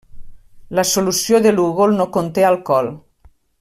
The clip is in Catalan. La solució de Lugol no conté alcohol.